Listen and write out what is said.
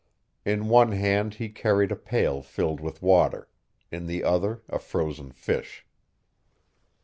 In one hand he carried a pail filled with water; in the other a frozen fish.